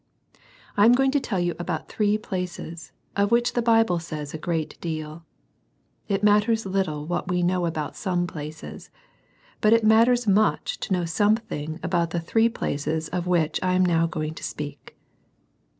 I am going to tell you about three places, of which the Bible says a great deal. It matters little what we know about some places; but it matters much to know something about the three places of which I am now going to speak.